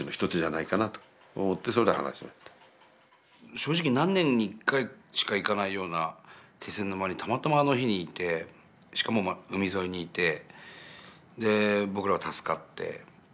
正直何年に一回しか行かないような気仙沼にたまたまあの日にいてしかも海沿いにいてで僕らは助かって。